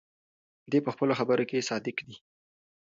دی په خپلو خبرو کې صادق دی.